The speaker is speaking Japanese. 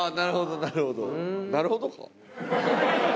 「なるほど」か？